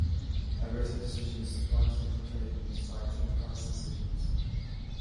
A written decision is supplied to the complainant citing past decisions.